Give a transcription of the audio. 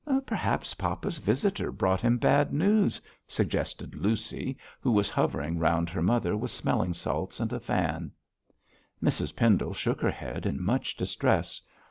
'Perhaps papa's visitor brought him bad news,' suggested Lucy, who was hovering round her mother with smelling salts and a fan. Mrs Pendle shook her head in much distress.